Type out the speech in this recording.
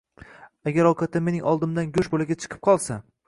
Agar ovqatda mening oddimdan go'sht bo'lagi chiqib qolsa